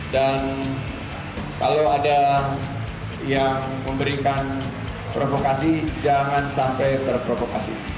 dan kalau ada yang memberikan provokasi jangan sampai terprovokasi